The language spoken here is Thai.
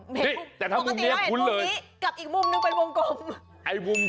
ปกติเราเห็นมุมนี้กับอีกมุมนึงเป็นวงกลม